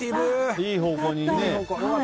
いい方向にね。